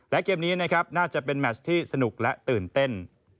และเกมนี้นะครับน่าจะเป็นแมชที่สนุกและตื่นเต้น